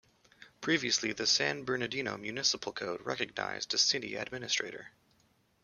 Previously, the San Bernardino Municipal Code recognized a City Administrator.